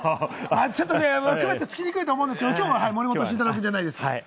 ちょっと区別つきにくいと思うんですが、きょうは森本慎太郎くんじゃないです。